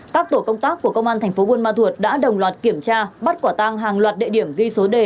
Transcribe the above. các tổ công tác của công an thành phố buôn ma thuột đã đồng loạt kiểm tra bắt quả tang hàng loạt địa điểm ghi số đề